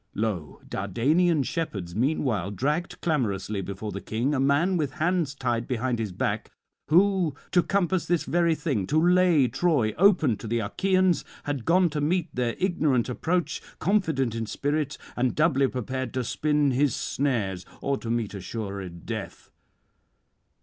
'Lo, Dardanian shepherds meanwhile dragged clamorously before the King a man with hands tied behind his back, who to compass this very thing, to lay Troy open to the Achaeans, had gone to meet their ignorant approach, confident in spirit and doubly prepared to spin his snares or to meet assured death.